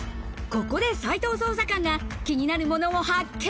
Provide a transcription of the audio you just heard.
ここで斉藤捜査官が気になるものを発見。